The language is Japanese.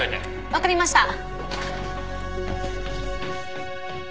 分かりました。